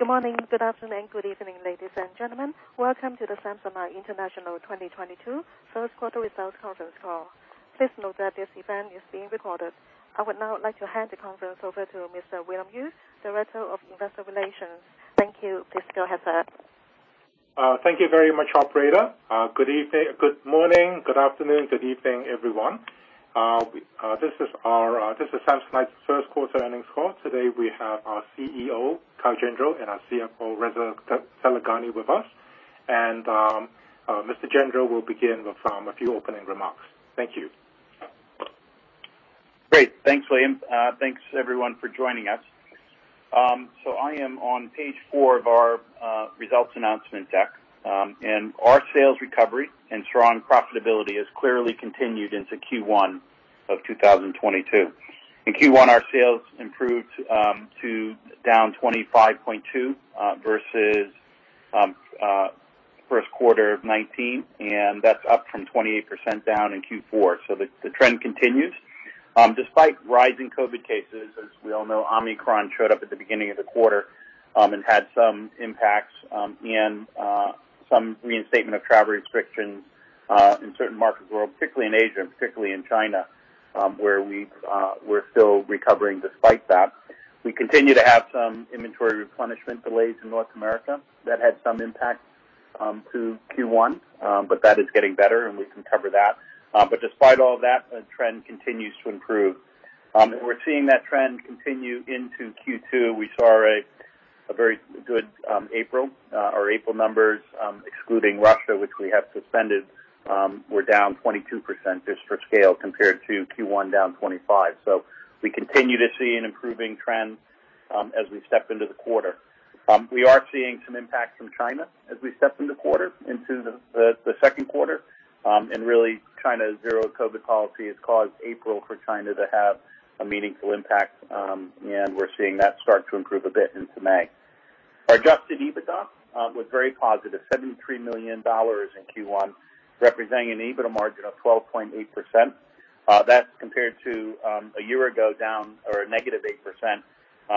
Good morning, good afternoon, good evening, ladies and gentlemen. Welcome to the Samsonite International 2022 First Quarter Results Conference Call. Please note that this event is being recorded. I would now like to hand the conference over to Mr. William Yue, Director of Investor Relations. Thank you. Please go ahead, sir. Thank you very much, operator. Good morning, good afternoon, good evening, everyone. This is Samsonite's first quarter earnings call. Today we have our CEO, Kyle Gendreau, and our CFO, Reza Taleghani with us. Mr. Gendreau will begin with a few opening remarks. Thank you. Great. Thanks, William. Thanks everyone for joining us. I am on page four of our results announcement deck. Our sales recovery and strong profitability has clearly continued into Q1 of 2022. In Q1, our sales improved to down 25.2% versus first quarter of 2019, and that's up from 28% down in Q4. The trend continues. Despite rising COVID cases, as we all know, Omicron showed up at the beginning of the quarter and had some impacts and some reinstatement of travel restrictions in certain markets worldwide, particularly in Asia, and particularly in China, where we're still recovering despite that. We continue to have some inventory replenishment delays in North America that had some impact to Q1, but that is getting better, and we can cover that. Despite all of that, the trend continues to improve. We're seeing that trend continue into Q2. We saw a very good April. Our April numbers, excluding Russia, which we have suspended, were down 22% just for scale compared to Q1 down 25%. We continue to see an improving trend as we step into the quarter. We are seeing some impact from China as we step in the quarter into the second quarter. Really China's zero-COVID policy has caused April for China to have a meaningful impact. We're seeing that start to improve a bit into May. Our Adjusted EBITDA was very positive, $73 million in Q1, representing an EBITDA margin of 12.8%. That's compared to a year ago down or a negative 8%.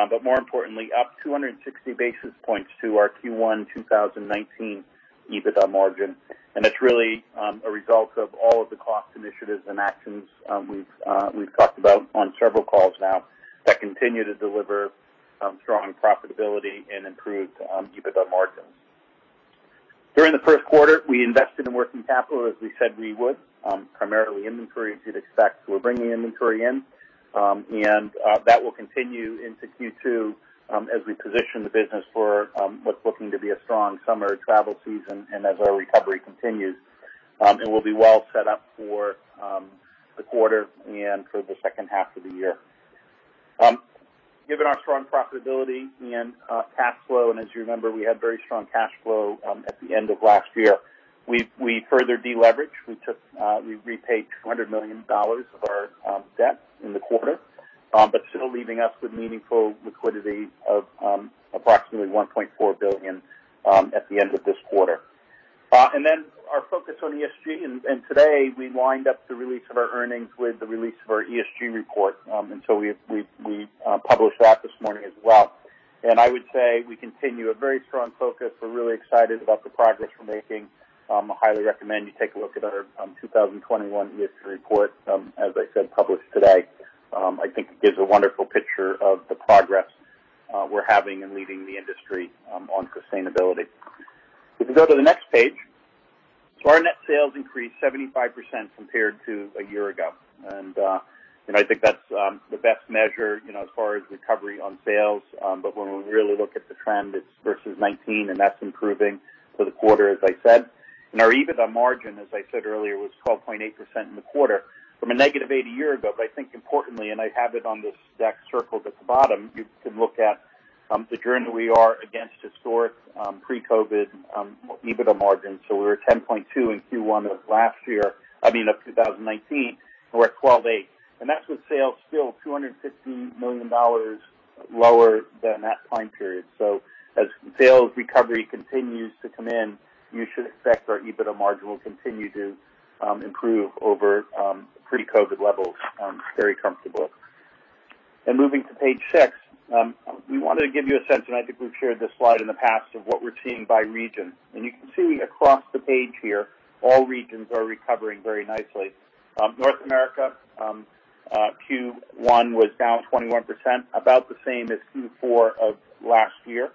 But more importantly, up 260 basis points to our Q1 2019 EBITDA margin. It's really a result of all of the cost initiatives and actions we've talked about on several calls now that continue to deliver strong profitability and improved EBITDA margins. During the first quarter, we invested in working capital as we said we would, primarily inventory as you'd expect. We're bringing inventory in, and that will continue into Q2, as we position the business for what's looking to be a strong summer travel season and as our recovery continues. We'll be well set up for the quarter and for the second half of the year. Given our strong profitability and cash flow, and as you remember, we had very strong cash flow at the end of last year. We further deleveraged. We repaid $200 million of our debt in the quarter, but still leaving us with meaningful liquidity of approximately $1.4 billion at the end of this quarter. Our focus on ESG. Today, we lined up the release of our earnings with the release of our ESG report. We published that this morning as well. I would say we continue a very strong focus. We're really excited about the progress we're making. I highly recommend you take a look at our 2021 ESG report, as I said, published today. I think it gives a wonderful picture of the progress we're having in leading the industry on sustainability. If you go to the next page. Our net sales increased 75% compared to a year ago. You know, I think that's the best measure, you know, as far as recovery on sales. But when we really look at the trend, it's versus 2019, and that's improving for the quarter, as I said. Our EBITDA margin, as I said earlier, was 12.8% in the quarter from a -8% a year ago. I think importantly, and I have it on this deck circled at the bottom, you can look at the journey that we are against historic pre-COVID EBITDA margins. So we were at 10.2% in Q1 of last year, I mean, of 2019. We're at 12.8%. That's with sales still $250 million lower than that time period. So as sales recovery continues to come in, you should expect our EBITDA margin will continue to improve over pre-COVID levels very comfortably. Moving to page six, we wanted to give you a sense, and I think we've shared this slide in the past, of what we're seeing by region. You can see across the page here, all regions are recovering very nicely. North America, Q1 was down 21%, about the same as Q4 of last year.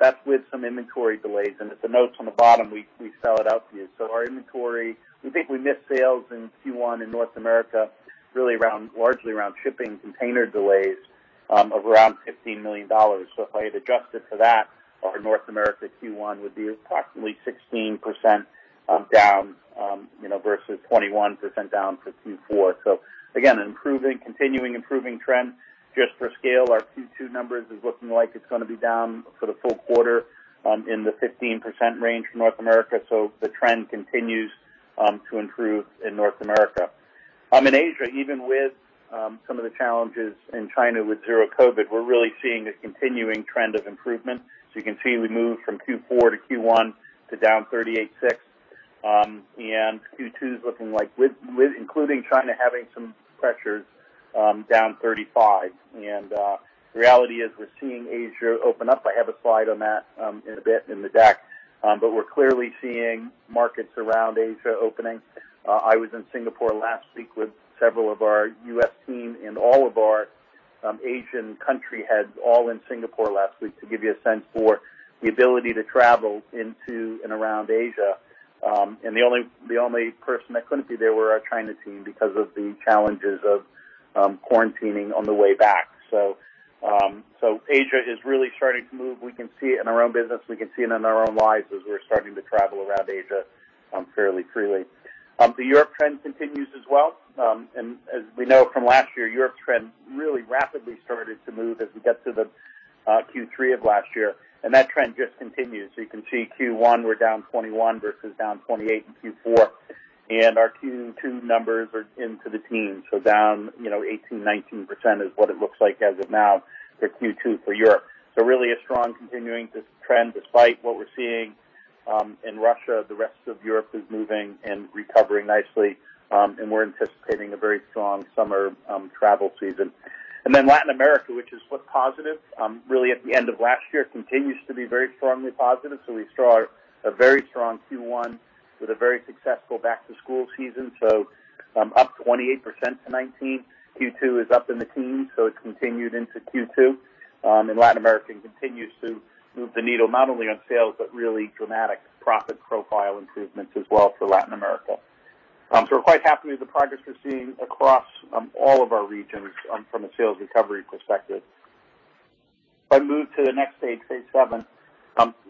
That's with some inventory delays. At the notes on the bottom, we spell it out for you. Our inventory, we think we missed sales in Q1 in North America really around, largely around shipping container delays, of around $15 million. If I had adjusted for that, our North America Q1 would be approximately 16% down, you know, versus 21% down for Q4. Again, improving, continuing improving trend. Just for scale, our Q2 numbers is looking like it's gonna be down for the full quarter, in the 15% range for North America. The trend continues to improve in North America. In Asia, even with some of the challenges in China with zero-COVID, we're really seeing a continuing trend of improvement. You can see we moved from Q4 to Q1 to down 38.6%. Q2 is looking like with including China having some pressures, down 35%. The reality is we're seeing Asia open up. I have a slide on that in a bit in the deck. We're clearly seeing markets around Asia opening. I was in Singapore last week with several of our U.S. team and all of our Asian country heads all in Singapore last week to give you a sense for the ability to travel into and around Asia. The only person that couldn't be there were our China team because of the challenges of quarantining on the way back. Asia is really starting to move. We can see it in our own business. We can see it in our own lives as we're starting to travel around Asia fairly freely. The Europe trend continues as well. As we know from last year, Europe trend really rapidly started to move as we get to the Q3 of last year. That trend just continues. You can see Q1 we're down 21% versus down 28% in Q4. Our Q2 numbers are into the teens, so down, you know, 18%-19% is what it looks like as of now for Q2 for Europe. Really a strong continuing this trend. Despite what we're seeing in Russia, the rest of Europe is moving and recovering nicely, and we're anticipating a very strong summer travel season. Latin America, which is what's positive, really at the end of last year, continues to be very strongly positive. We saw a very strong Q1 with a very successful back to school season, up 28% to 19%. Q2 is up in the teens, it's continued into Q2. Latin America continues to move the needle not only on sales, but really dramatic profit profile improvements as well for Latin America. We're quite happy with the progress we're seeing across all of our regions from a sales recovery perspective. If I move to the next page seven,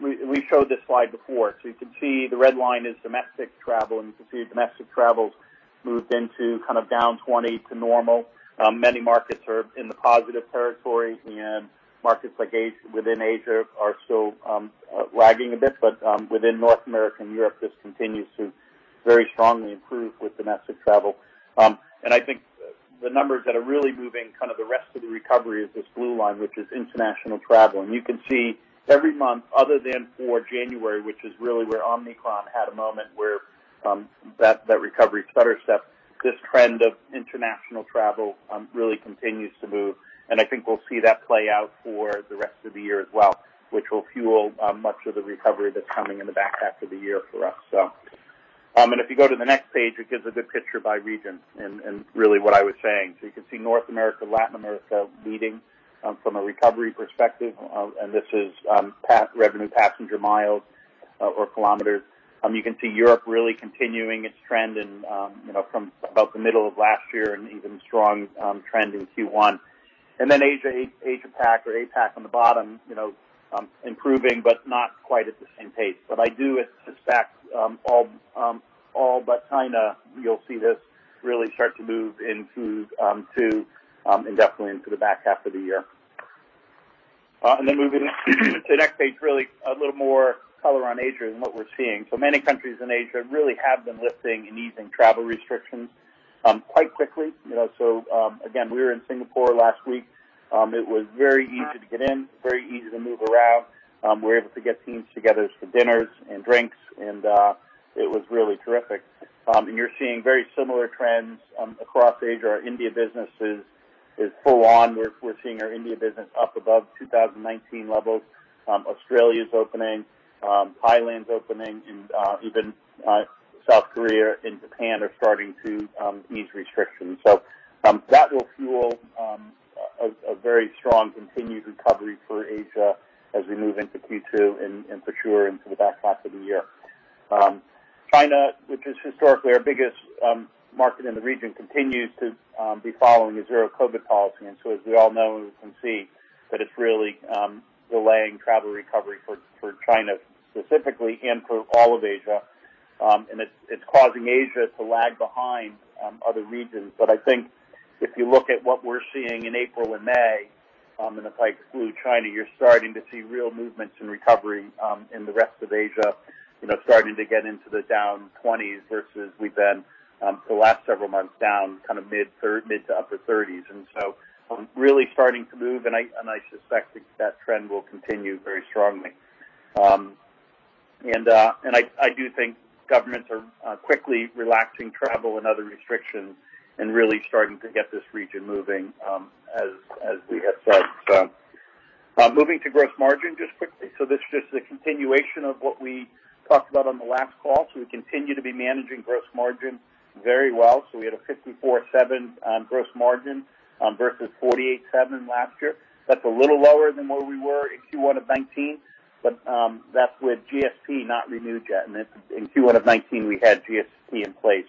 we showed this slide before. You can see the red line is domestic travel, and you can see domestic travel's moved into kind of down 20% to normal. Many markets are in the positive territory, and markets like within Asia are still lagging a bit. Within North America and Europe, this continues to very strongly improve with domestic travel. I think the numbers that are really moving kind of the rest of the recovery is this blue line, which is international travel. You can see every month other than for January, which is really where Omicron had a moment where that recovery stutter stepped, this trend of international travel really continues to move. I think we'll see that play out for the rest of the year as well, which will fuel much of the recovery that's coming in the back half of the year for us. If you go to the next page, it gives a good picture by region and really what I was saying. You can see North America, Latin America leading from a recovery perspective, and this is revenue passenger miles or kilometers. You can see Europe really continuing its trend in, you know, from about the middle of last year and even strong trend in Q1. Then Asia-Pacific or APAC on the bottom, you know, improving, but not quite at the same pace. I do expect all but China, you'll see this really start to move into and definitely into the back half of the year. Moving to the next page, really a little more color on Asia and what we're seeing. Many countries in Asia really have been lifting and easing travel restrictions quite quickly. You know? Again, we were in Singapore last week. It was very easy to get in, very easy to move around. We were able to get teams together for dinners and drinks and it was really terrific. You're seeing very similar trends across Asia. Our India business is full on. We're seeing our India business up above 2019 levels. Australia's opening, Thailand's opening and even South Korea and Japan are starting to ease restrictions. That will fuel a very strong continued recovery for Asia as we move into Q2 and for sure into the back half of the year. China, which is historically our biggest market in the region, continues to be following a zero COVID policy. As we all know and we can see that it's really delaying travel recovery for China specifically and for all of Asia. It's causing Asia to lag behind other regions. I think if you look at what we're seeing in April and May, and if I exclude China, you're starting to see real movements in recovery in the rest of Asia. You know, starting to get into the down 20s% versus we've been the last several months down kind of mid- to upper 30s%. Really starting to move and I suspect that that trend will continue very strongly. I do think governments are quickly relaxing travel and other restrictions and really starting to get this region moving, as we had said. Moving to gross margin just quickly. This is just a continuation of what we talked about on the last call. We continue to be managing gross margin very well. We had a 54.7% gross margin versus 48.7% last year. That's a little lower than where we were in Q1 of 2019, but that's with GSP not renewed yet. In Q1 of 2019 we had GSP in place.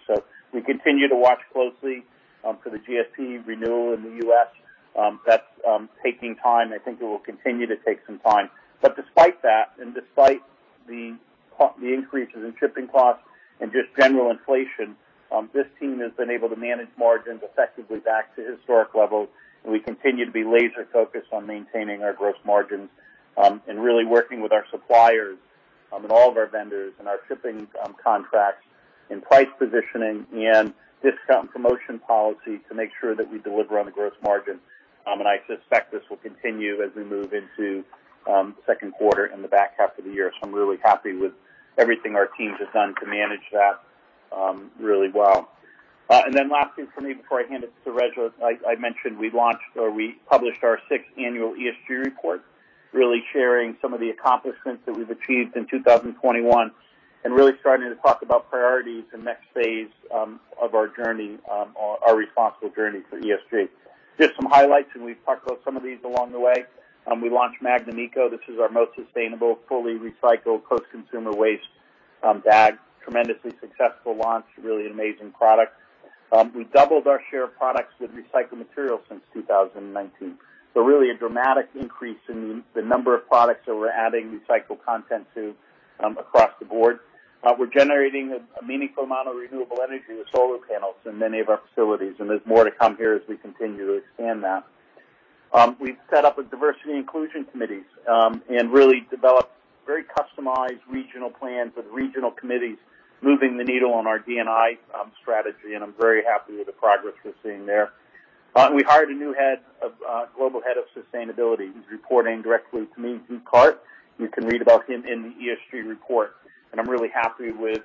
We continue to watch closely for the GSP renewal in the U.S. That's taking time. I think it will continue to take some time. Despite that, and despite the increases in shipping costs and just general inflation, this team has been able to manage margins effectively back to historic levels. We continue to be laser focused on maintaining our gross margins, and really working with our suppliers, and all of our vendors and our shipping contracts in price positioning and discount promotion policy to make sure that we deliver on the gross margin. I suspect this will continue as we move into second quarter in the back half of the year. I'm really happy with everything our teams have done to manage that, really well. Then last thing for me before I hand it to Reza, I mentioned we launched or we published our sixth annual ESG report, really sharing some of the accomplishments that we've achieved in 2021, and really starting to talk about priorities and next phase of our journey, our responsible journey for ESG. Just some highlights, and we've talked about some of these along the way. We launched Magnum ECO This is our most sustainable, fully recycled post-consumer waste bag. Tremendously successful launch, really an amazing product. We doubled our share of products with recycled materials since 2019. Really a dramatic increase in the number of products that we're adding recycled content to, across the board. We're generating a meaningful amount of renewable energy with solar panels in many of our facilities, and there's more to come here as we continue to expand that. We've set up diversity and inclusion committees, and really developed very customized regional plans with regional committees moving the needle on our D&I strategy, and I'm very happy with the progress we're seeing there. We hired a global head of sustainability. He's reporting directly to me through Call. You can read about him in the ESG report. I'm really happy with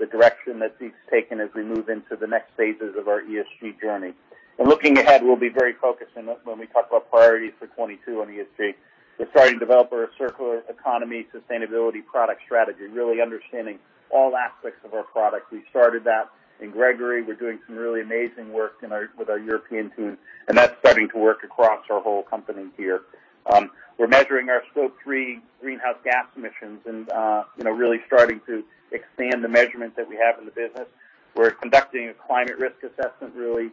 the direction that he's taken as we move into the next phases of our ESG journey. Looking ahead, we'll be very focused when we talk about priorities for 2022 on ESG. We're starting to develop our circular economy sustainability product strategy, really understanding all aspects of our products. We started that in Gregory. We're doing some really amazing work with our European team, and that's starting to work across our whole company here. We're measuring our Scope 3 greenhouse gas emissions and, you know, really starting to expand the measurements that we have in the business. We're conducting a climate risk assessment, really,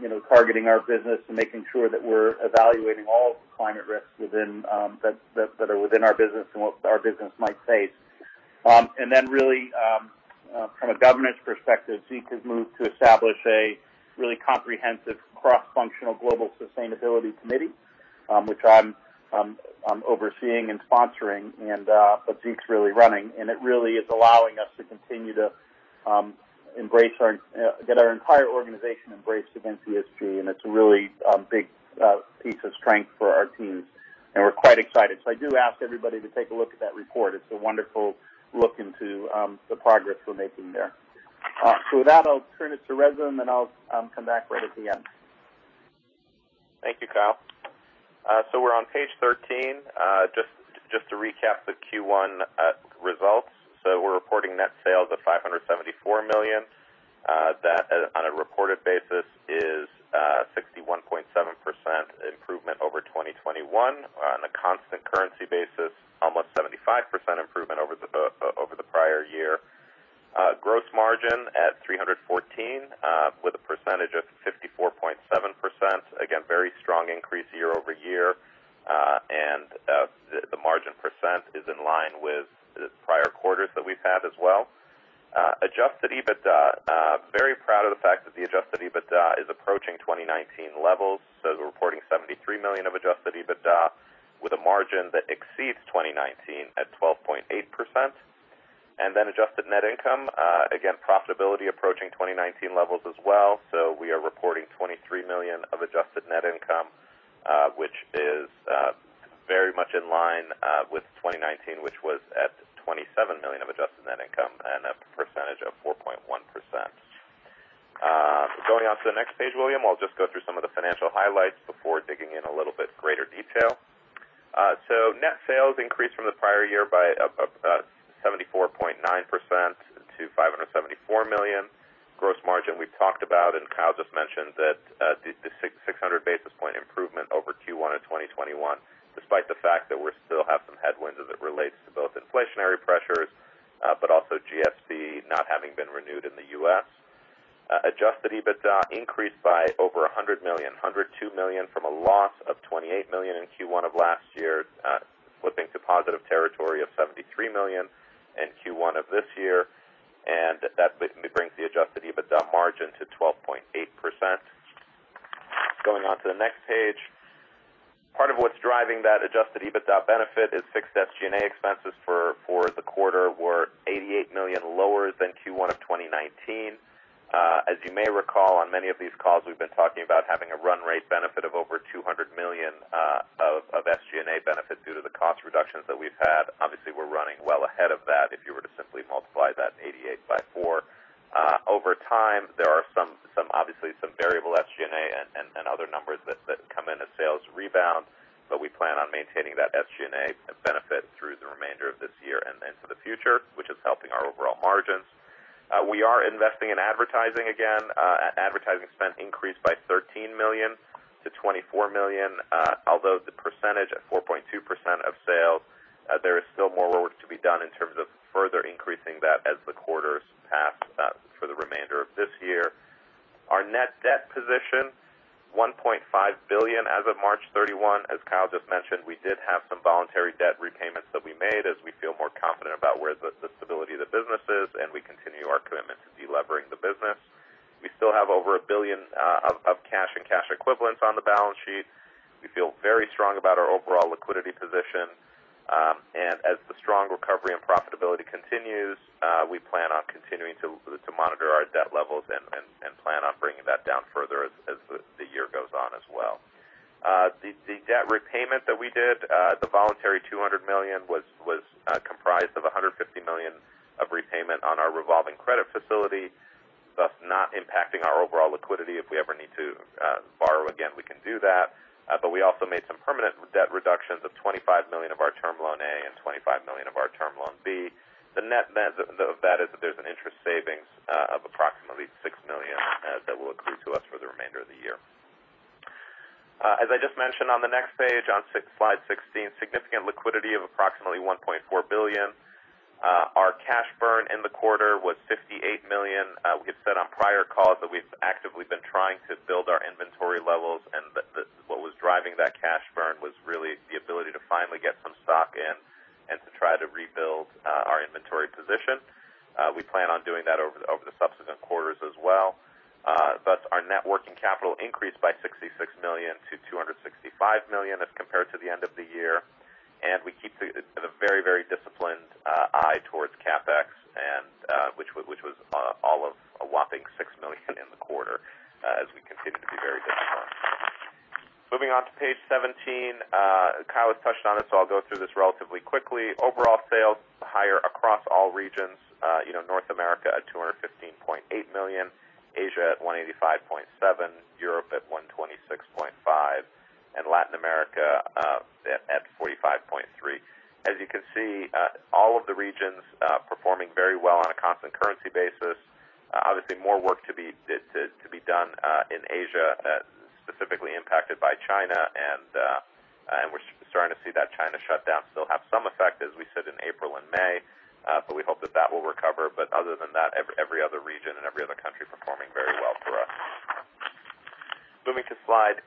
you know, targeting our business and making sure that we're evaluating all climate risks within, that are within our business and what our business might face. From a governance perspective, Zeke has moved to establish a really comprehensive cross-functional global sustainability committee, which I'm overseeing and sponsoring and, but Zeke's really running. It really is allowing us to continue to get our entire organization to embrace ESG, and it's a really big piece of strength for our teams, and we're quite excited. I do ask everybody to take a look at that report. It's a wonderful look into the progress we're making there. With that, I'll turn it to Reza, and then I'll come back right at the end. Thank you, Kyle. We're on page 13, just to recap the Q1 results. We're reporting net sales of $574 million. That on a recorded basis is 61.7% improvement over 2021. On a constant currency basis, almost 75% improvement over the prior year. Gross margin at $314 million with a percentage of 54.7%. Again, very strong increase year-over-year. The margin percent is in line with the prior quarters that we've had as well. Adjusted EBITDA, very proud of the fact that the Adjusted EBITDA is approaching 2019 levels. We're reporting $73 million of Adjusted EBITDA with a margin that exceeds 2019 at 12.8%. Adjusted net income, again, profitability approaching 2019 levels as well. We are reporting $23 million of adjusted net income, which is very much in line with 2019, which was at $27 million of adjusted net income and 4.1%. Going on to the next page, William, I'll just go through some of the financial highlights before digging in a little bit greater detail. Net sales increased from the prior year by up 74.9% to $574 million. Gross margin, we've talked about and Kyle just mentioned that, the 600 basis point improvement over Q1 in 2021, despite the fact that we still have some headwinds as it relates to both inflationary pressures, but also GSP not having been renewed in the U.S. Adjusted EBITDA increased by over $100 million, $102 million from a loss of $28 million in Q1 of last year, flipping to positive territory of $73 million in Q1 of this year. That basically brings the Adjusted EBITDA margin to 12.8%. Going on to the next page. Part of what's driving that Adjusted EBITDA benefit is fixed SG&A expenses for the quarter were $88 million lower than Q1 of 2019. As you may recall, on many of these calls, we've been talking about having a run rate benefit of over $200 million of SG&A benefit due to the cost reductions that we've had. Obviously, we're running well ahead of that if you were to simply multiply that 88 by four. Over time, there are some obviously variable SG&A and other numbers that come in as sales rebound, but we plan on maintaining that SG&A benefit through the remainder of this year and into the future, which is helping our overall margins. We are investing in advertising again. Advertising spend increased by $13 million to $24 million, although the percentage at 4.2% of sales, there is still more work to be done in terms of further increasing that as the quarters pass, for the remainder of this year. Our net debt position $1.5 billion as of March 31. As Kyle just mentioned, we did have some voluntary debt repayments that we made as we feel more confident about where the stability of the business is, and we continue our commitment to delevering the business. We still have over $1 billion of cash and cash equivalents on the balance sheet. We feel very strong about our overall liquidity position. As the strong recovery and profitability continues, we plan on continuing to monitor our debt levels and plan on bringing that down further as the year goes on as well. The debt repayment that we did, the voluntary $200 million was comprised of $150 million of repayment on our revolving credit facility, thus not impacting our overall liquidity. If we ever need to borrow again, we can do that. We also made some permanent debt reductions of $25 million of our Term Loan A and $25 million of our Term Loan B. The net of that is that there's an interest savings of approximately $6 million that will accrue to us for the remainder of the year. As I just mentioned on the next page, on slide 16, significant liquidity of approximately $1.4 billion. Our cash burn in the quarter was $58 million. We had said on prior calls that we've actively been trying to build our inventory levels, and what was driving that cash burn was really the ability to finally get some stock in and to try to rebuild our inventory position. We plan on doing that over the subsequent quarters as well. Thus our net working capital increased by $66 million to $265 million as compared to the end of the year. We keep a very, very disciplined eye towards CapEx, which was all of a whopping $6 million in the quarter as we continue to be very disciplined. Moving on to page seventeen. Kyle has touched on it, so I'll go through this relatively quickly. Overall sales higher across all regions. You know, North America at $215.8 million, Asia at $185.7 million, Europe at $126.5 million, and Latin America at $45.3 million. As you can see, all of the regions performing very well on a constant currency basis. Obviously more work to be done in Asia, specifically impacted by China. We're starting to see that China shutdown still have some effect, as we said, in April and May. We hope that that will recover. Other than that, every other region and every other country performing very well for us. Moving to slide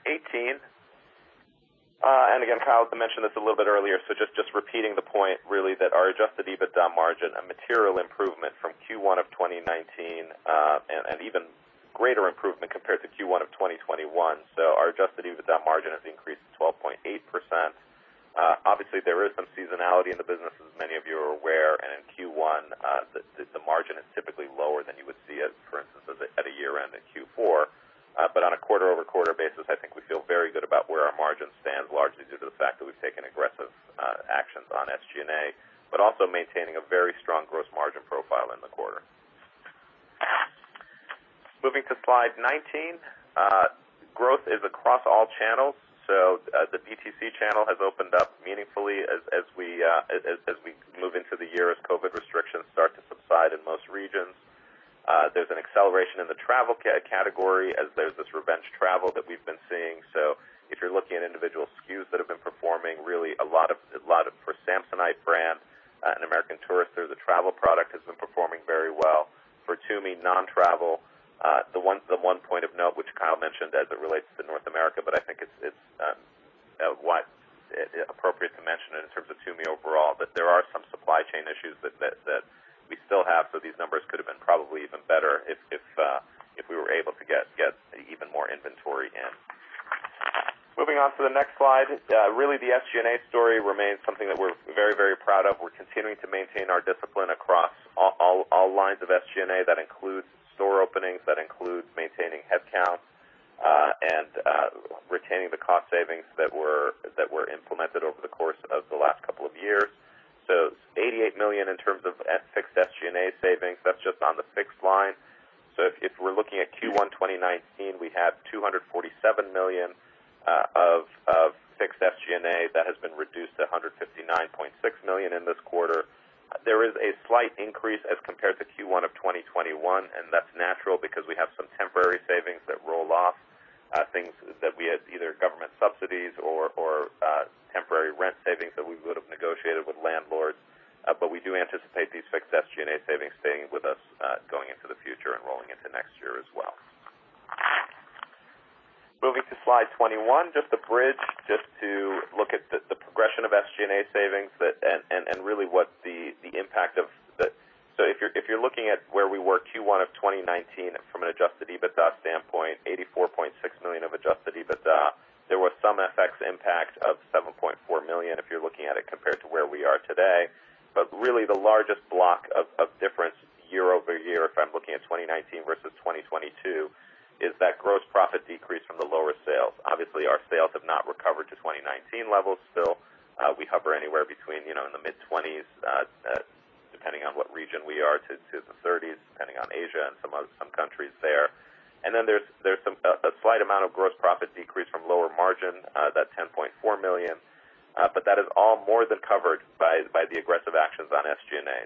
eighteen. Again, Kyle had mentioned this a little bit earlier, so just repeating the point really that our Adjusted EBITDA margin, a material improvement from Q1 of 2019, and even greater improvement compared to Q1 of 2021. Our Adjusted EBITDA margin has increased to 12.8%. Obviously there is some seasonality in the business, as many of you are aware. In Q1, the margin is typically lower than you would see at, for instance, at a year-end in Q4. On a quarter-over-quarter basis, I think we feel very good about where our margin stands, largely due to the fact that we've taken aggressive actions on SG&A, but also maintaining a very strong gross margin profile in the quarter. Moving to slide 19. Growth is across all channels. The DTC channel has opened up meaningfully as we move into the year, as COVID restrictions start to subside in most regions. There's an acceleration in the travel category as there's this revenge travel that we've been seeing. If you're looking at individual SKUs that have been performing really a lot of for Samsonite brand and American Tourister, the travel product has been performing very well. For Tumi non-travel, the one point of note, which Kyle mentioned as it relates to North America, but I think it's what's appropriate to mention in terms of Tumi overall, but there are some supply chain issues that we still have. These numbers could have been probably even better if we were able to get even more inventory in. Moving on to the next slide. Really the SG&A story remains something that we're very proud of. We're continuing to maintain our discipline across all lines of SG&A. That includes store openings, that includes maintaining headcounts, and retaining the cost savings that were implemented over the course of the last couple of years. $88 million in terms of fixed SG&A savings. That's just on the fixed line. If we're looking at Q1 2019, we had $247 million of fixed SG&A. That has been reduced to $159.6 million in this quarter. There is a slight increase as compared to Q1 of 2021, and that's natural because we have some temporary savings that roll off, things that we had either government subsidies or temporary rent savings that we would have negotiated with landlords. We do anticipate these fixed SG&A savings staying with us, going into the future and rolling into next year as well. Moving to slide 21, just a bridge to look at the progression of SG&A savings and really what the impact of the. If you're looking at where we were Q1 of 2019 from an Adjusted EBITDA standpoint, $84.6 million of Adjusted EBITDA. There was some FX impact of $7.4 million if you're looking at it compared to where we are today. Really the largest block of difference year-over-year, if I'm looking at 2019 versus 2022, is that gross profit decrease from the lower sales. Obviously, our sales have not recovered to 2019 levels still. We hover anywhere between, you know, in the mid-20s%, depending on what region we are, to the 30s%, depending on Asia and some countries there. There's a slight amount of gross profit decrease from lower margin. That's $10.4 million. That is all more than covered by the aggressive actions on SG&A.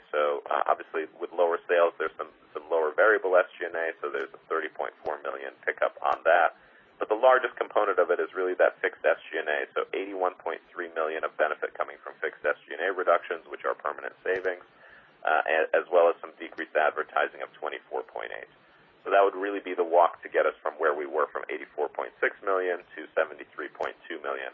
Obviously, with lower sales, there's some lower variable SG&A, so there's a $30.4 million pickup on that. The largest component of it is really that fixed SG&A, so $81.3 million of benefit coming from fixed SG&A reductions, which are permanent savings, as well as some decreased advertising of $24.8. That would really be the walk to get us from where we were from $84.6 million to $73.2 million.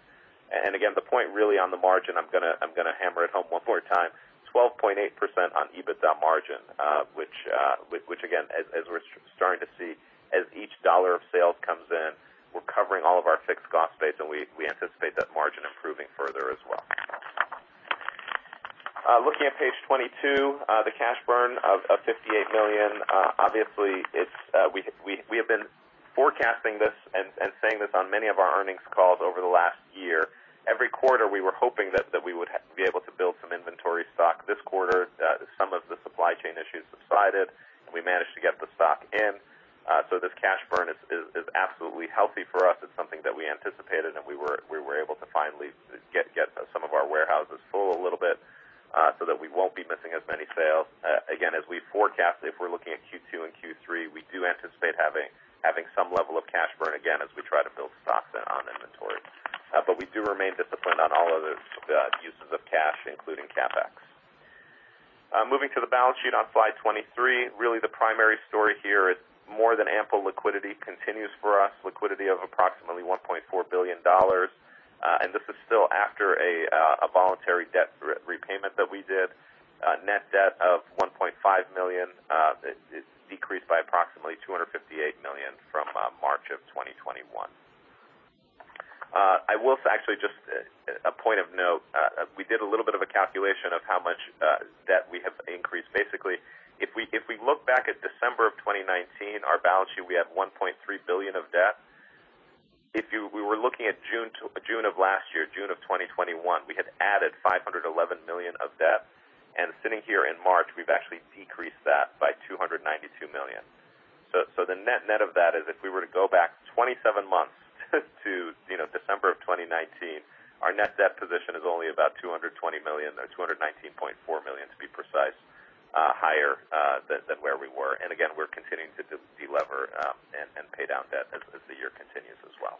The point really on the margin, I'm gonna hammer it home one more time, 12.8% on EBITDA margin, which again, as we're starting to see as each dollar of sales comes in, we're covering all of our fixed cost base, and we anticipate that margin improving further as well. Looking at page 22, the cash burn of $58 million, obviously it's we have been forecasting this and saying this on many of our earnings calls over the last year. Every quarter, we were hoping that we would be able to build some inventory stock. This quarter, some of the supply chain issues subsided, and we managed to get the stock in. This cash burn is absolutely healthy for us. It's something that we anticipated and we were able to finally get some of our warehouses full a little bit, so that we won't be missing as many sales. Again, as we forecast, if we're looking at Q2 and Q3, we do anticipate having some level of cash burn again as we try to build stocks and on inventory. We do remain disciplined on all other uses of cash, including CapEx. Moving to the balance sheet on slide 23, really the primary story here is more than ample liquidity continues for us. Liquidity of approximately $1.4 billion, and this is still after a voluntary debt repayment that we did. Net debt of $1.5 billion, it decreased by approximately $258 million from March 2021. I will actually just a point of note. We did a little bit of a calculation of how much debt we have increased. Basically, if we look back at December 2019, our balance sheet, we had $1.3 billion of debt. We were looking at June of last year, June of 2021, we had added $511 million of debt. Sitting here in March, we've actually decreased that by $292 million. The net-net of that is if we were to go back 27 months to, you know, December of 2019, our net debt position is only about $220 million, or $219.4 million, to be precise, higher than where we were. We're continuing to delever and pay down debt as the year continues as well.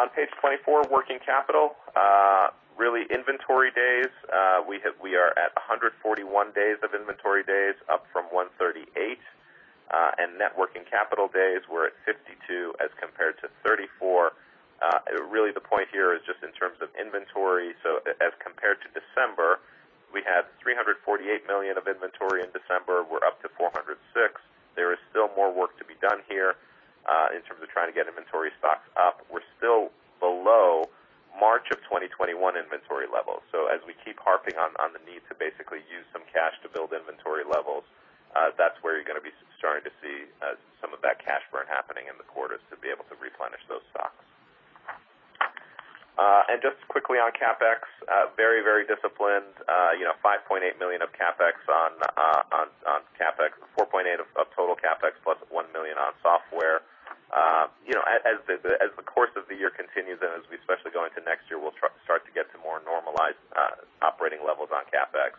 On page 24, working capital. Really inventory days, we are at 141 days of inventory days, up from 138. Net working capital days, we're at 52 as compared to 34. Really the point here is just in terms of inventory. So as compared to December, we had $348 million of inventory in December, we're up to $406 million. There is still more work to be done here, in terms of trying to get inventory stocks up. We're still below March 2021 inventory levels. So as we keep harping on the need to basically use some cash to build inventory levels, that's where you're gonna be starting to see some of that cash burn happening in the quarters to be able to replenish those stocks. And just quickly on CapEx, very, very disciplined. You know, $5.8 million of CapEx on CapEx, $4.8 million of total CapEx, +$1 million on software. You know, as the course of the year continues and as we especially go into next year, we'll start to get to more normalized operating levels on CapEx.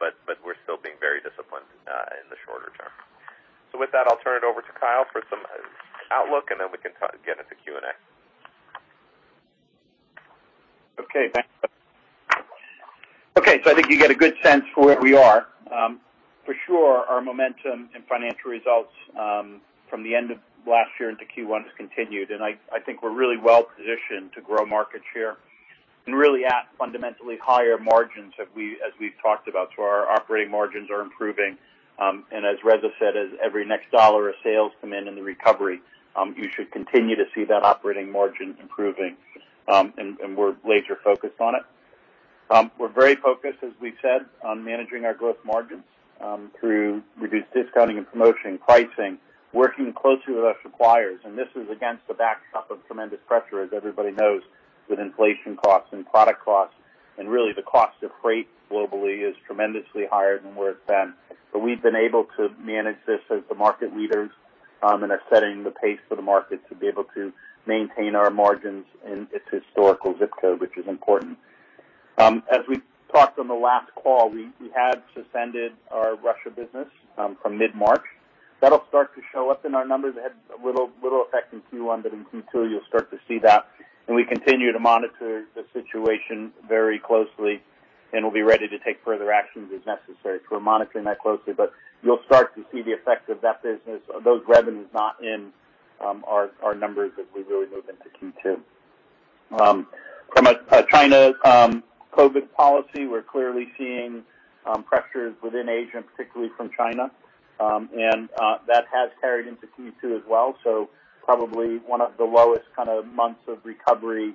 But we're still being very disciplined in the shorter term. With that, I'll turn it over to Kyle for some outlook, and then we can turn again into Q&A. Okay, thanks. Okay, I think you get a good sense for where we are. For sure, our momentum and financial results from the end of last year into Q1 has continued, and I think we're really well positioned to grow market share and really at fundamentally higher margins as we've talked about. Our operating margins are improving. And as Reza said, as every next dollar of sales come in in the recovery, you should continue to see that operating margin improving. We're laser focused on it. We're very focused, as we said, on managing our gross margins through reduced discounting and promotional pricing, working closely with our suppliers. This is against the backdrop of tremendous pressure, as everybody knows, with inflation costs and product costs. Really, the cost of freight globally is tremendously higher than where it's been. We've been able to manage this as the market leaders, and are setting the pace for the market to be able to maintain our margins in its historical zip code, which is important. As we talked on the last call, we had suspended our Russia business from mid-March. That'll start to show up in our numbers. It had a little effect in Q1, but in Q2 you'll start to see that. We continue to monitor the situation very closely, and we'll be ready to take further actions as necessary. We're monitoring that closely, but you'll start to see the effect of that business, those revenues not in our numbers as we really move into Q2. From China's COVID policy, we're clearly seeing pressures within Asia, and particularly from China. That has carried into Q2 as well. Probably one of the lowest kind of months of recovery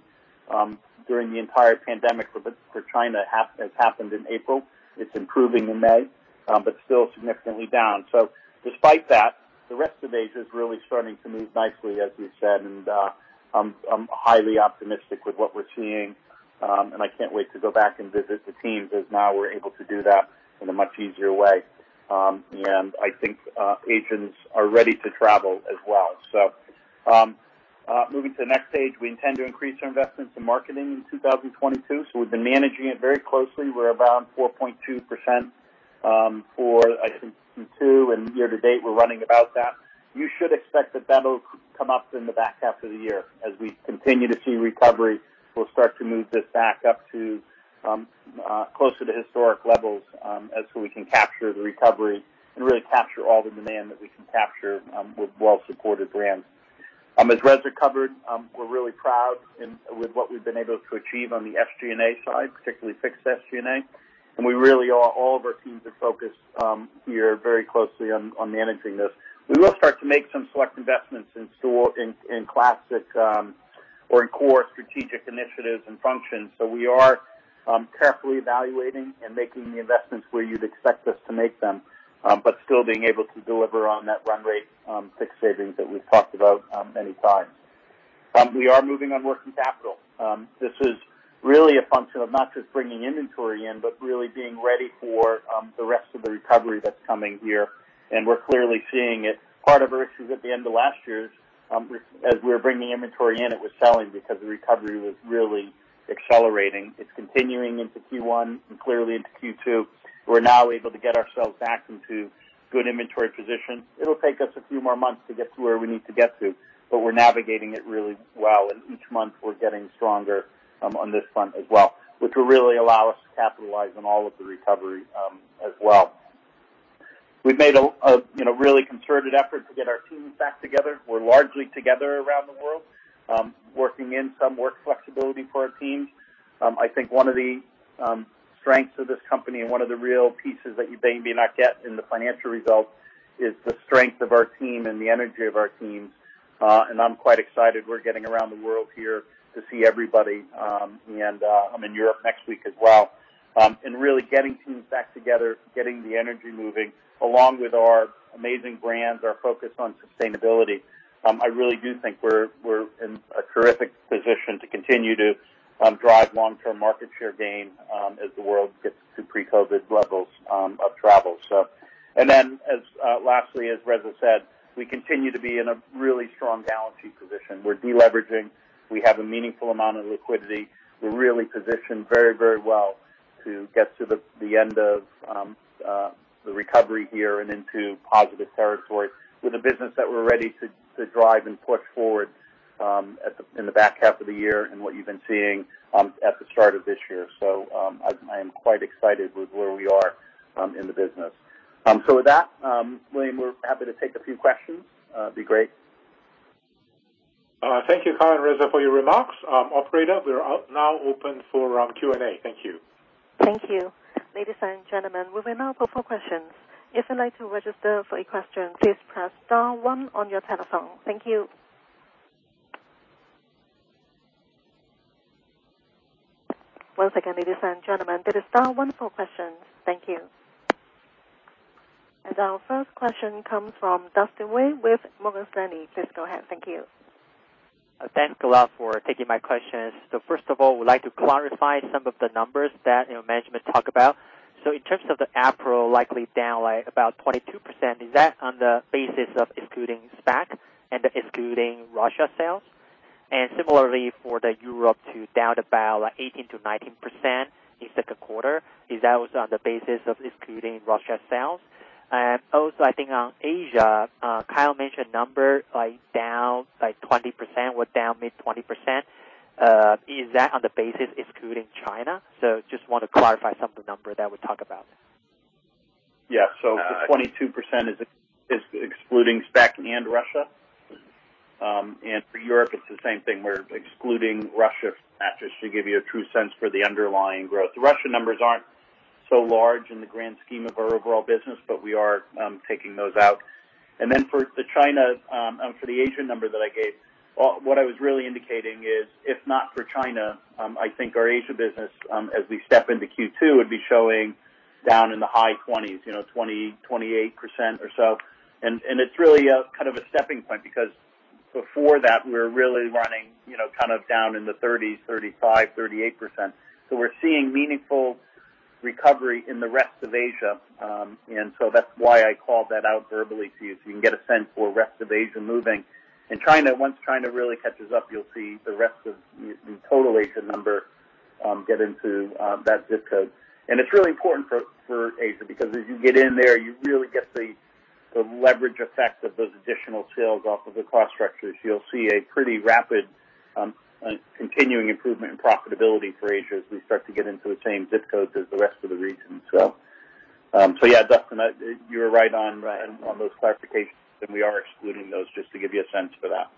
during the entire pandemic for China has happened in April. It's improving in May, but still significantly down. Despite that, the rest of Asia is really starting to move nicely, as we've said, and I'm highly optimistic with what we're seeing, and I can't wait to go back and visit the teams as now we're able to do that in a much easier way. I think Asians are ready to travel as well. Moving to the next page, we intend to increase our investments in marketing in 2022, so we've been managing it very closely. We're around 4.2% for I think Q2, and year to date we're running about that. You should expect that that'll come up in the back half of the year as we continue to see recovery. We'll start to move this back up to closer to historic levels, as so we can capture the recovery and really capture all the demand that we can capture with well-supported brands. As Reza covered, we're really proud with what we've been able to achieve on the SG&A side, particularly fixed SG&A, and we really are. All of our teams are focused here very closely on managing this. We will start to make some select investments in-store in classic or in core strategic initiatives and functions. We are carefully evaluating and making the investments where you'd expect us to make them, but still being able to deliver on that run rate fixed savings that we've talked about many times. We are moving on working capital. This is really a function of not just bringing inventory in, but really being ready for the rest of the recovery that's coming here, and we're clearly seeing it. Part of our issues at the end of last year, as we were bringing inventory in, it was selling because the recovery was really accelerating. It's continuing into Q1 and clearly into Q2. We're now able to get ourselves back into good inventory positions. It'll take us a few more months to get to where we need to get to, but we're navigating it really well. Each month we're getting stronger on this front as well, which will really allow us to capitalize on all of the recovery as well. We've made a you know, really concerted effort to get our teams back together. We're largely together around the world, working in some work flexibility for our teams. I think one of the strengths of this company and one of the real pieces that you may not get in the financial results is the strength of our team and the energy of our teams. I'm quite excited we're getting around the world here to see everybody, and I'm in Europe next week as well. Really getting teams back together, getting the energy moving along with our amazing brands, our focus on sustainability, I really do think we're in a terrific position to continue to drive long-term market share gain, as the world gets to pre-COVID levels of travel. Lastly, as Reza said, we continue to be in a really strong balance sheet position. We're de-leveraging. We have a meaningful amount of liquidity. We're really positioned very, very well to get to the end of the recovery here and into positive territory with a business that we're ready to drive and push forward in the back half of the year and what you've been seeing at the start of this year. I am quite excited with where we are in the business. With that, William, we're happy to take a few questions. That'd be great. Thank you, Kyle and Reza, for your remarks. Operator, we are now open for Q&A. Thank you. Thank you. Ladies and gentlemen, we will now go for questions. If you'd like to register for a question, please press star one on your telephone. Thank you. Once again, ladies and gentlemen, it is star one for questions. Thank you. Our first question comes from Dustin Wei with Morgan Stanley. Please go ahead. Thank you. Thanks a lot for taking my questions. First of all, I would like to clarify some of the numbers that, you know, management talk about. In terms of the APAC likely down, like, about 22%, is that on the basis of excluding Speck and excluding Russia sales? Similarly, for the Europe to down about, like, 18%-19% in second quarter, is that also on the basis of excluding Russia sales? Also, I think on Asia, Kyle mentioned a number, like down, like 20% or down mid-20%. Is that on the basis excluding China? Just want to clarify some of the numbers that we talk about. Yeah. The 22% is excluding Speck and Russia. For Europe, it's the same thing. We're excluding Russia just to give you a true sense for the underlying growth. The Russia numbers aren't so large in the grand scheme of our overall business, but we are taking those out. Then for China, for the Asia number that I gave, what I was really indicating is, if not for China, I think our Asia business, as we step into Q2, would be showing down in the high 20s, you know, 20, 28% or so. It's really kind of a stepping point because before that, we were really running, you know, kind of down in the 30s, 35, 38%. We're seeing meaningful recovery in the rest of Asia. That's why I called that out verbally to you, so you can get a sense for rest of Asia moving. In China. Once China really catches up, you'll see the rest of the total Asia number get into that ZIP Code. It's really important for Asia because as you get in there, you really get the leverage effect of those additional sales off of the cost structures. You'll see a pretty rapid continuing improvement in profitability for Asia as we start to get into the same ZIP Codes as the rest of the region. Yeah, Dustin, you're right on those clarifications, and we are excluding those just to give you a sense for that.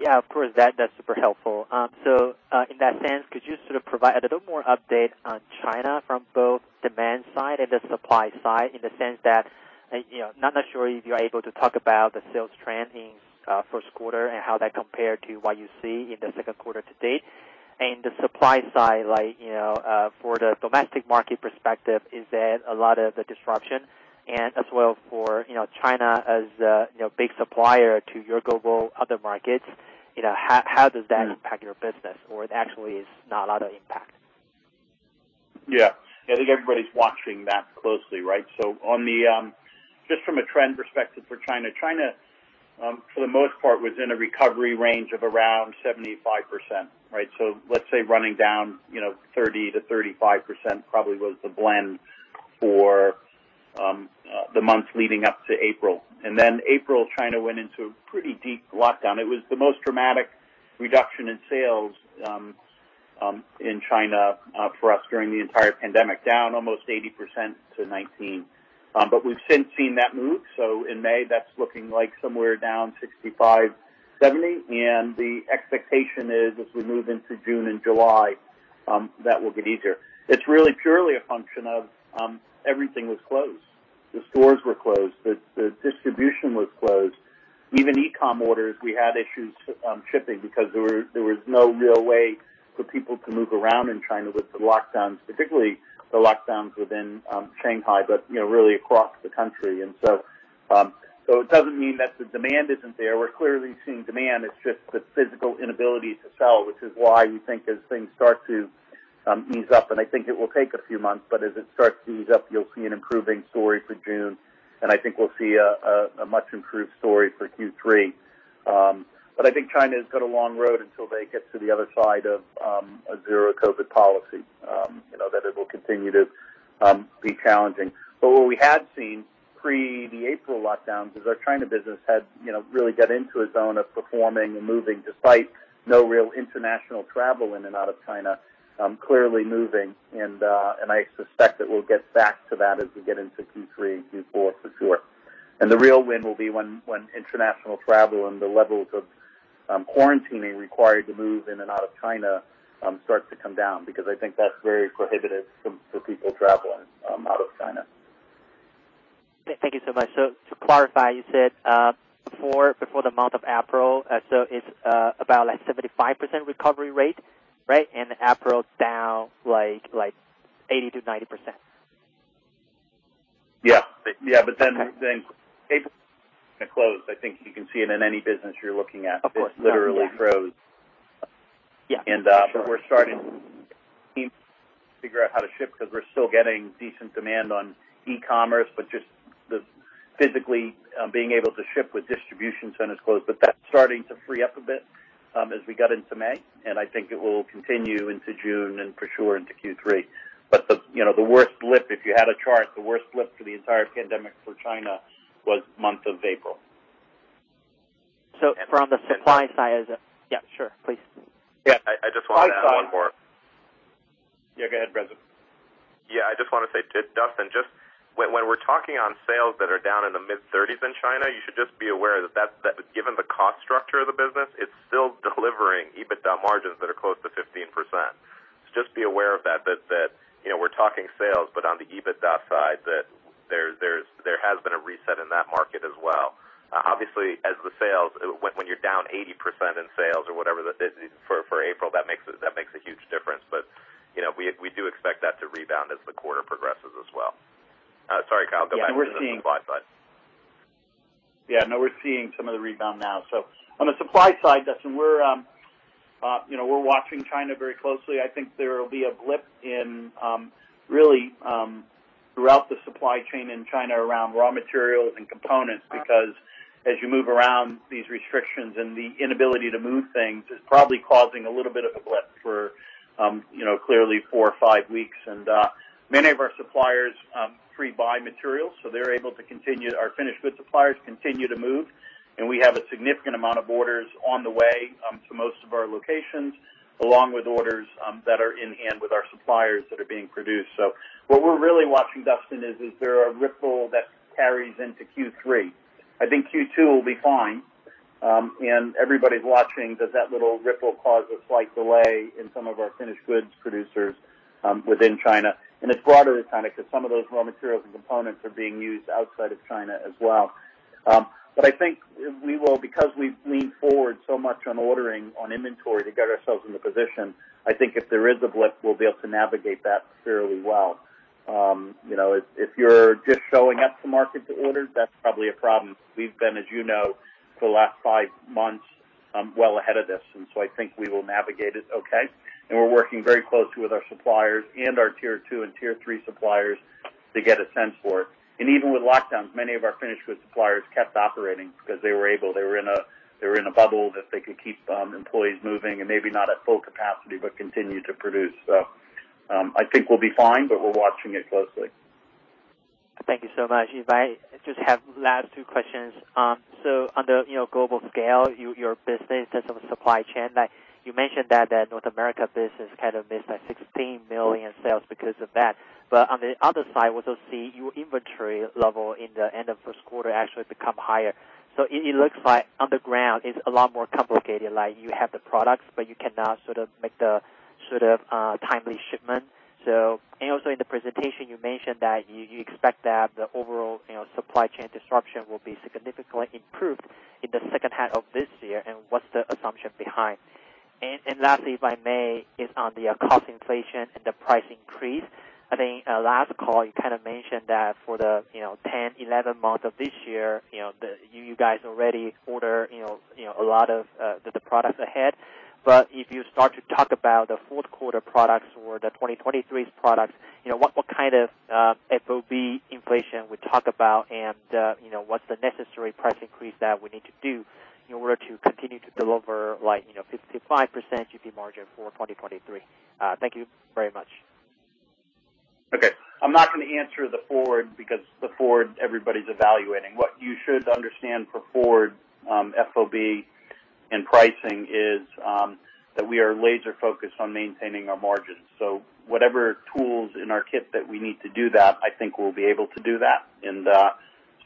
Yeah, of course. That's super helpful. In that sense, could you sort of provide a little more update on China from both demand side and the supply side, in the sense that, you know, not necessarily if you are able to talk about the sales trend in, first quarter and how that compared to what you see in the second quarter to date. The supply side, like, you know, for the domestic market perspective, is there a lot of disruption and as well for, you know, China as, you know, big supplier to your global other markets, you know, how does that impact your business? Or it actually is not a lot of impact? Yeah. I think everybody's watching that closely, right? Just from a trend perspective for China, for the most part, was in a recovery range of around 75%, right? Let's say running down, you know, 30%-35% probably was the blend for the months leading up to April, and then April, China went into a pretty deep lockdown. It was the most dramatic reduction in sales in China for us during the entire pandemic, down almost 80% to 19%. We've since seen that move. In May, that's looking like somewhere down 65%-70%. The expectation is, as we move into June and July, that will get easier. It's really purely a function of everything was closed. The stores were closed. The distribution was closed. Even e-com orders, we had issues shipping because there was no real way for people to move around in China with the lockdowns, particularly the lockdowns within Shanghai, but, you know, really across the country. It doesn't mean that the demand isn't there. We're clearly seeing demand. It's just the physical inability to sell, which is why we think as things start to ease up, and I think it will take a few months, but as it starts to ease up, you'll see an improving story for June, and I think we'll see a much improved story for Q3. I think China has got a long road until they get to the other side of a zero-COVID policy, you know, that it'll continue to be challenging. What we had seen pre the April lockdowns is our China business had, you know, really got into a zone of performing and moving despite no real international travel in and out of China, clearly moving and I suspect that we'll get back to that as we get into Q3 and Q4 for sure. The real win will be when international travel and the levels of quarantining required to move in and out of China starts to come down because I think that's very prohibitive for people traveling out of China. Thank you so much. To clarify, you said, before the month of April, so it's about like 75% recovery rate, right? April's down, like 80%-90%. Yeah. Yeah. Okay. April closed, I think you can see it in any business you're looking at. Of course. Yeah. It literally froze. Yeah. Sure. We're starting to figure out how to ship because we're still getting decent demand on e-commerce, but just physically being able to ship with distribution centers closed. That's starting to free up a bit as we got into May, and I think it will continue into June and for sure into Q3. You know, the worst blip, if you had a chart, the worst blip for the entire pandemic for China was month of April. From the supply side, is it? Yeah, sure. Please. Yeah. I just wanna add one more. Yeah, go ahead, Reza. Yeah. I just wanna say, Dustin, just when we're talking on sales that are down in the mid-30s in China, you should just be aware that given the cost structure of the business, it's still delivering EBITDA margins that are close to 15%. So just be aware of that, you know, we're talking sales, but on the EBITDA side, there has been a reset in that market as well. Obviously, when you're down 80% in sales or whatever it is for April, that makes a huge difference. You know, we do expect that to rebound as the quarter progresses as well. Sorry, Kyle, go back to the supply side. Yeah, no, we're seeing some of the rebound now. On the supply side, Dustin, you know, we're watching China very closely. I think there will be a blip in, really, throughout the supply chain in China around raw materials and components. Uh-huh. Because as you move around these restrictions and the inability to move things is probably causing a little bit of a blip for clearly four or five weeks. Many of our suppliers pre-buy materials, so they're able to continue. Our finished goods suppliers continue to move. We have a significant amount of orders on the way to most of our locations, along with orders that are in hand with our suppliers that are being produced. What we're really watching, Dustin, is there a ripple that carries into Q3? I think Q2 will be fine. Everybody's watching, does that little ripple cause a slight delay in some of our finished goods producers within China? It's broader than China 'cause some of those raw materials and components are being used outside of China as well. I think we will because we've leaned forward so much on ordering, on inventory to get ourselves in the position. I think if there is a blip, we'll be able to navigate that fairly well. You know, if you're just showing up to market to order, that's probably a problem. We've been, as you know, for the last five months, well ahead of this, and so I think we will navigate it okay. We're working very closely with our suppliers and our Tier 2 and Tier 3 suppliers to get a sense for it. Even with lockdowns, many of our finished goods suppliers kept operating because they were able. They were in a bubble that they could keep employees moving and maybe not at full capacity, but continue to produce. I think we'll be fine, but we're watching it closely. Thank you so much. If I just have last two questions. On the, you know, global scale, your business and some supply chain, like, you mentioned that the North America business kind of missed like $16 million sales because of that. On the other side, we also see your inventory level in the end of first quarter actually become higher. It looks like on the ground it's a lot more complicated, like you have the products, but you cannot sort of make the sort of timely shipment. In the presentation, you mentioned that you expect that the overall, you know, supply chain disruption will be significantly improved in the second half of this year, and what's the assumption behind? Lastly, if I may, is on the cost inflation and the price increase. I think last call you kinda mentioned that for the you know 10, 11 months of this year you know you guys already order you know a lot of the products ahead. If you start to talk about the fourth quarter products or the 2023's products you know what kind of FOB inflation we talk about and you know what's the necessary price increase that we need to do in order to continue to deliver like you know 55% GP margin for 2023? Thank you very much. Okay. I'm not gonna answer the forward because the forward, everybody's evaluating. What you should understand for forward, FOB and pricing is, that we are laser focused on maintaining our margins. Whatever tools in our kit that we need to do that, I think we'll be able to do that.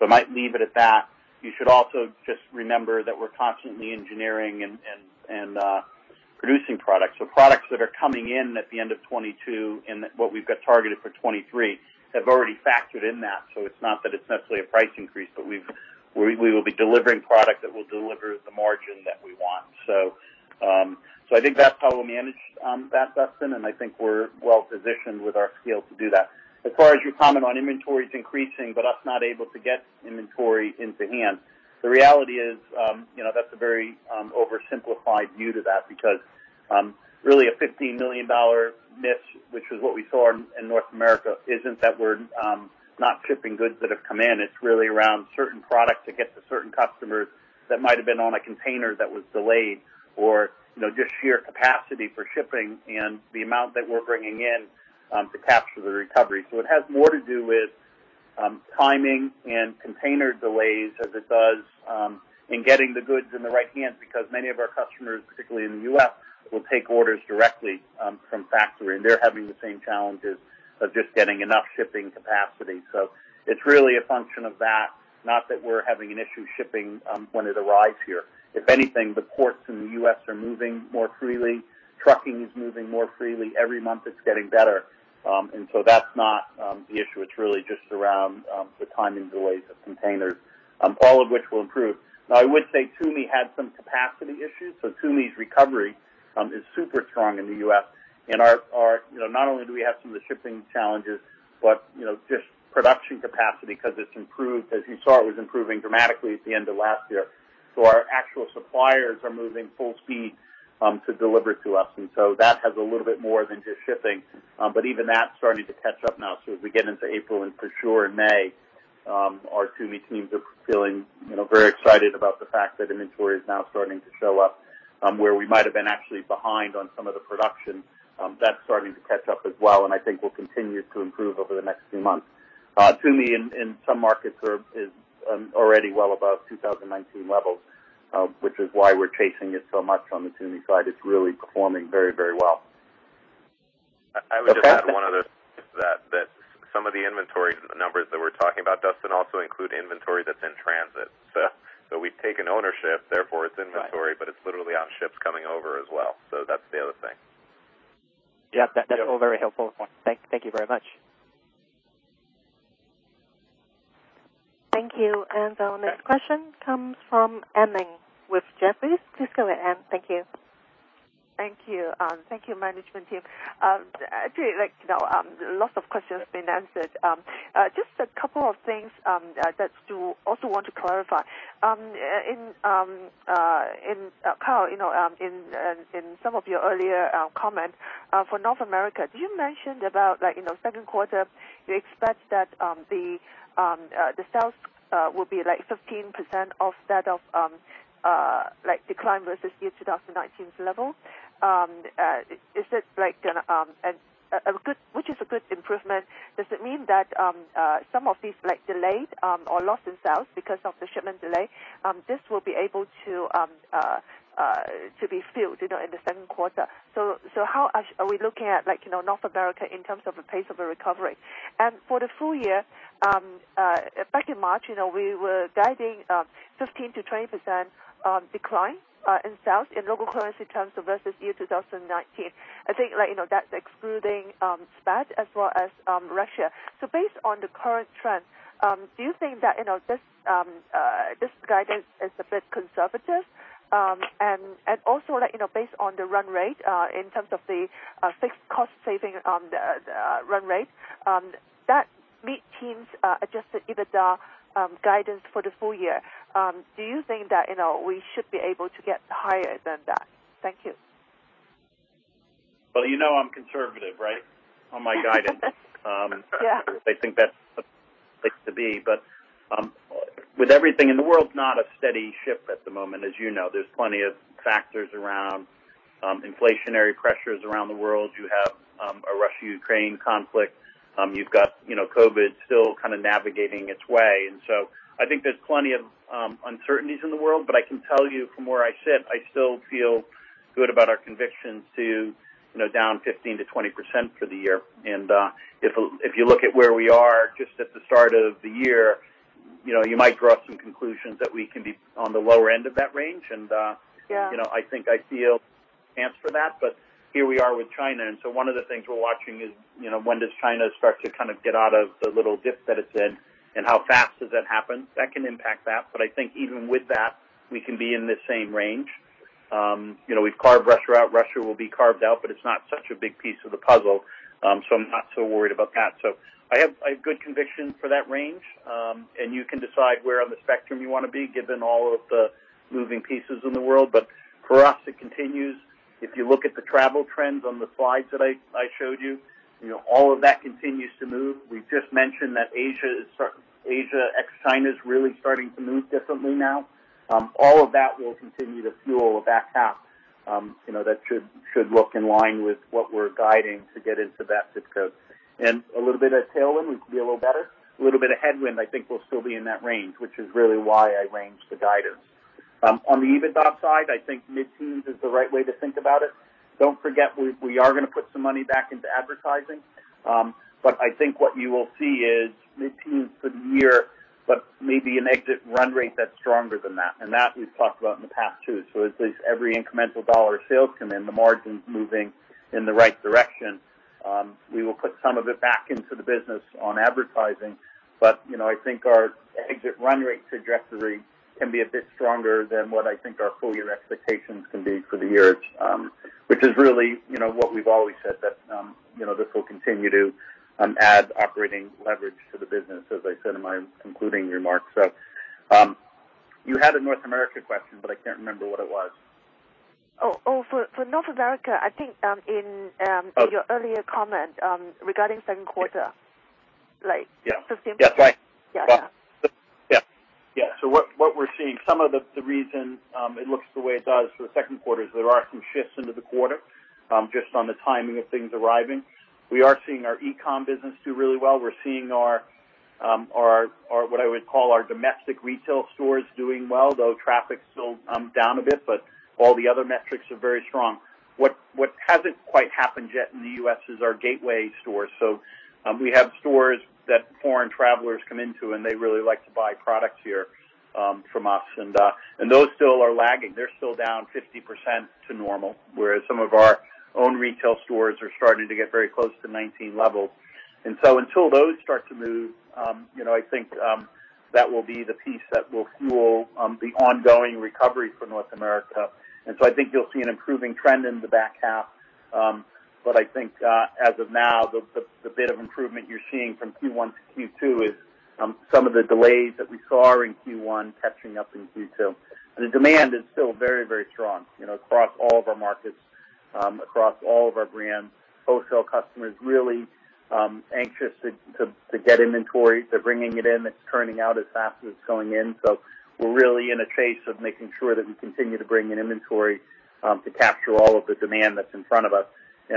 I might leave it at that. You should also just remember that we're constantly engineering and producing products. Products that are coming in at the end of 2022 and what we've got targeted for 2023 have already factored in that. It's not that it's necessarily a price increase, but we will be delivering product that will deliver the margin that we want. I think that's how we'll manage that, Dustin, and I think we're well-positioned with our scale to do that. As far as your comment on inventories increasing, but us not able to get inventory into hand, the reality is, you know, that's a very, oversimplified view to that because, really a $15 million miss, which is what we saw in North America, isn't that we're, not shipping goods that have come in. It's really around certain products to get to certain customers that might have been on a container that was delayed or, you know, just sheer capacity for shipping and the amount that we're bringing in, to capture the recovery. It has more to do with, timing and container delays as it does, in getting the goods in the right hands, because many of our customers, particularly in the U.S., will take orders directly, from factory, and they're having the same challenges of just getting enough shipping capacity. It's really a function of that, not that we're having an issue shipping when it arrives here. If anything, the ports in the U.S. are moving more freely. Trucking is moving more freely. Every month, it's getting better. That's not the issue. It's really just around the timing delays of containers, all of which will improve. Now, I would say Tumi had some capacity issues, so Tumi's recovery is super strong in the U.S. You know, not only do we have some of the shipping challenges, but you know, just production capacity 'cause it's improved. As you saw, it was improving dramatically at the end of last year. Our actual suppliers are moving full speed to deliver to us. That has a little bit more than just shipping, but even that's starting to catch up now. As we get into April and for sure in May, our Tumi teams are feeling, you know, very excited about the fact that inventory is now starting to show up, where we might have been actually behind on some of the production, that's starting to catch up as well, and I think we'll continue to improve over the next few months. Tumi in some markets is already well above 2019 levels, which is why we're chasing it so much on the Tumi side. It's really performing very, very well. I would just add one other thing to that some of the inventory numbers that we're talking about, Dustin, also include inventory that's in transit. So, we've taken ownership, therefore it's inventory. Got it. it's literally on ships coming over as well. That's the other thing. Yeah. That's all very helpful. Thank you very much. Thank you. Our next question comes from Anne Ling with Jefferies. Please go ahead, Ann. Thank you. Thank you. Thank you, management team. Actually, like, you know, lots of questions been answered. Just a couple of things that you also want to clarify. Kyle, you know, in some of your earlier comments for North America, you mentioned about, like, you know, second quarter, you expect that the sales will be, like, 15% off that of, like, decline versus year 2019's level. Is it like gonna be a good improvement, which is a good improvement. Does it mean that some of these, like, delayed or lost sales because of the shipment delay, this will be able to be filled, you know, in the second quarter? How are we looking at, like, you know, North America in terms of the pace of a recovery? For the full year, back in March, you know, we were guiding 15%-20% decline in sales in local currency terms versus year 2019. I think, like, you know, that's excluding SPAC as well as Russia. Based on the current trends, do you think that, you know, this guidance is a bit conservative? Also, like, you know, based on the run rate in terms of the fixed cost savings on the run rate that meets the team's Adjusted EBITDA guidance for the full year, do you think that, you know, we should be able to get higher than that? Thank you. Well, you know I'm conservative, right? On my guidance. Yeah. I think that's the place to be. With everything in the world's not a steady ship at the moment, as you know. There's plenty of factors around, inflationary pressures around the world. You have a Russia-Ukraine conflict. You've got, you know, COVID still kinda navigating its way. I think there's plenty of uncertainties in the world. I can tell you from where I sit, I still feel good about our conviction to, you know, down 15%-20% for the year. If you look at where we are just at the start of the year, you know, you might draw some conclusions that we can be on the lower end of that range. Yeah. You know, I think there's a chance for that. Here we are with China. One of the things we're watching is, you know, when does China start to kind of get out of the little dip that it's in, and how fast does that happen? That can impact that. I think even with that, we can be in the same range. You know, we've carved Russia out. Russia will be carved out, but it's not such a big piece of the puzzle, so I'm not so worried about that. I have good conviction for that range, and you can decide where on the spectrum you wanna be, given all of the moving pieces in the world. For us, it continues. If you look at the travel trends on the slides that I showed you know, all of that continues to move. We've just mentioned that Asia ex China is really starting to move differently now. All of that will continue to fuel the back half. You know, that should look in line with what we're guiding to get into that zip code. A little bit of tailwind, we could be a little better. A little bit of headwind, I think we'll still be in that range, which is really why I range the guidance. On the EBITDA side, I think mid-teens is the right way to think about it. Don't forget we are gonna put some money back into advertising. I think what you will see is mid-teens% for the year, but maybe an exit run rate that's stronger than that. That we've talked about in the past too. As every incremental $1 of sales comes in, the margin's moving in the right direction. We will put some of it back into the business on advertising. You know, I think our exit run rate trajectory can be a bit stronger than what I think our full year expectations can be for the year. Which is really, you know, what we've always said that, you know, this will continue to add operating leverage to the business, as I said in my concluding remarks. You had a North America question, but I can't remember what it was. For North America, I think in Oh. In your earlier comment, regarding second quarter, like Yeah. Yeah. What we're seeing, some of the reason it looks the way it does for the second quarter is there are some shifts into the quarter, just on the timing of things arriving. We are seeing our e-com business do really well. We're seeing what I would call our domestic retail stores doing well, though traffic's still down a bit, but all the other metrics are very strong. What hasn't quite happened yet in the U.S. is our gateway stores. We have stores that foreign travelers come into, and they really like to buy products here from us. Those still are lagging. They're still down 50% to normal, whereas some of our own retail stores are starting to get very close to 2019 levels. Until those start to move, you know, I think that will be the piece that will fuel the ongoing recovery for North America. I think you'll see an improving trend in the back half. But I think, as of now, the bit of improvement you're seeing from Q1 to Q2 is some of the delays that we saw in Q1 catching up in Q2. The demand is still very, very strong, you know, across all of our markets, across all of our brands. Wholesale customers really anxious to get inventory. They're bringing it in. It's turning out as fast as it's going in. We're really in a chase of making sure that we continue to bring in inventory to capture all of the demand that's in front of us.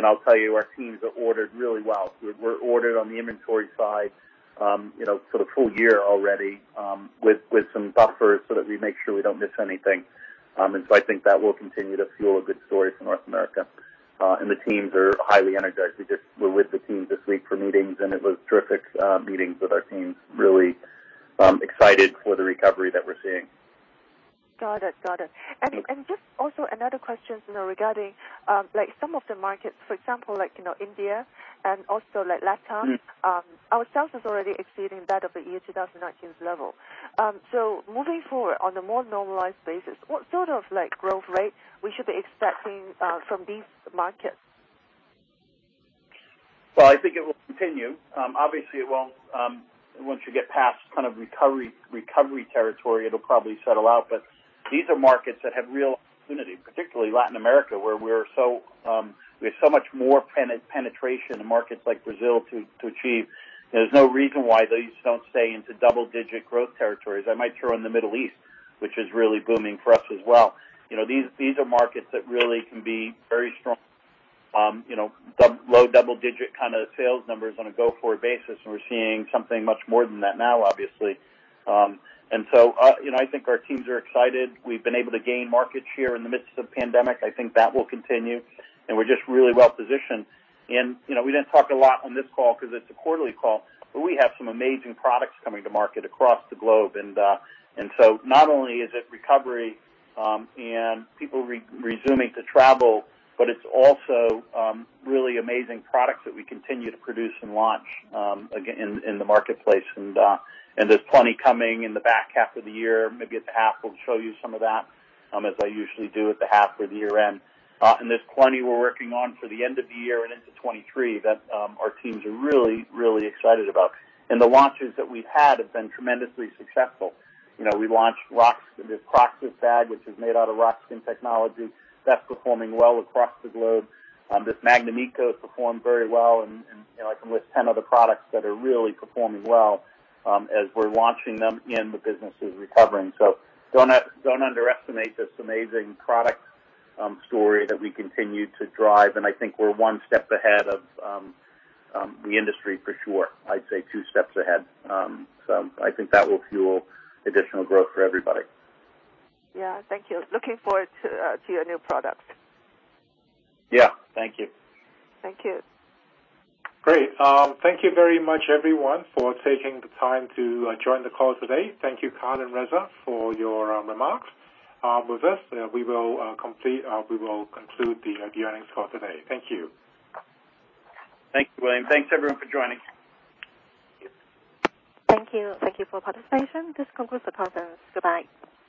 I'll tell you, our teams have ordered really well. We're ordered on the inventory side, you know, for the full year already, with some buffers so that we make sure we don't miss anything. I think that will continue to fuel a good story for North America. The teams are highly energized. We just were with the teams this week for meetings, and it was terrific meetings with our teams, really excited for the recovery that we're seeing. Got it. Just also another question, you know, regarding like some of the markets, for example, like, you know, India and also like Latin. Mm. our sales is already exceeding that of the year 2019's level. Moving forward on a more normalized basis, what sort of, like, growth rate we should be expecting from these markets? Well, I think it will continue. Obviously it won't, once you get past kind of recovery territory, it'll probably settle out. These are markets that have real opportunity, particularly Latin America, where we're so, we have so much more penetration in markets like Brazil to achieve. There's no reason why these don't stay into double-digit growth territories. I might throw in the Middle East, which is really booming for us as well. You know, these are markets that really can be very strong. You know, low double-digit kinda sales numbers on a go-forward basis, and we're seeing something much more than that now, obviously. You know, I think our teams are excited. We've been able to gain market share in the midst of the pandemic. I think that will continue. We're just really well positioned. You know, we didn't talk a lot on this call 'cause it's a quarterly call, but we have some amazing products coming to market across the globe. Not only is it recovery, and people resuming to travel, but it's also really amazing products that we continue to produce and launch in the marketplace. There's plenty coming in the back half of the year. Maybe at the half we'll show you some of that, as I usually do at the half or the year end. There's plenty we're working on for the end of the year and into 2023 that our teams are really, really excited about. The launches that we've had have been tremendously successful. You know, we launched Roxkin, this Proxis bag, which is made out of Roxkin technology. That's performing well across the globe. This Magnum ECO performed very well. You know, I can list 10 other products that are really performing well as we're launching them and the business is recovering. Don't underestimate this amazing product story that we continue to drive. I think we're one step ahead of the industry for sure. I'd say two steps ahead. I think that will fuel additional growth for everybody. Yeah. Thank you. Looking forward to your new product. Yeah. Thank you. Thank you. Great. Thank you very much everyone for taking the time to join the call today. Thank you, Kyle and Reza, for your remarks with us. We will conclude the earnings call today. Thank you. Thank you, William. Thanks everyone for joining. Thank you. Thank you. Thank you for participation. This concludes the conference. Goodbye.